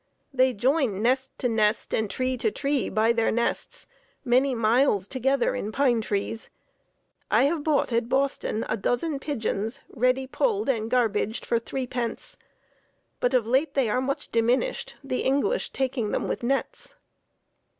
They join Nest to Nest and Tree to Tree by their Nests many miles together in Pine Trees. I have bought at Boston a dozen Pidgeons ready pulled and garbidged for three pence. But of late they are much diminished, the English taking them with Nets."